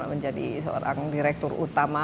menjadi seorang direktur utama